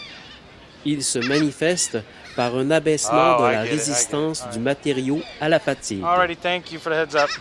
Il se manifeste par un abaissement de la résistance du matériau à la fatigue.